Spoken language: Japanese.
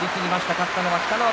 勝ったのは北の若。